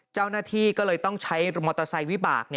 เจ้าหน้าที่ก็เลยต้องใช้มอเตอร์ไซค์วิบาก